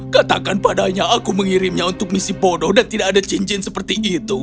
katakan padanya aku mengirimnya untuk misi bodoh dan tidak ada cincin seperti itu